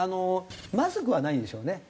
まずくはないんでしょうね。